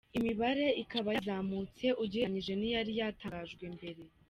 Imibare ikaba yazamutse ugereranyije n’iyari yatangajwe mbere.